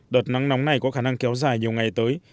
đợt nắng nóng này có khả năng kéo dài nhiều ngày tới